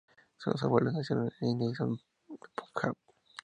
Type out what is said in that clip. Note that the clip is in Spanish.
Sus abuelos nacieron en India y son de Punjab.